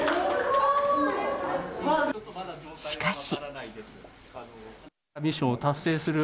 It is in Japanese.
しかし。